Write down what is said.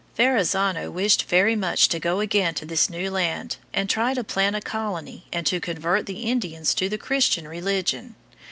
Verrazzano wished very much to go again to this new land and try to plant a colony and to convert the Indians to the Christian religion.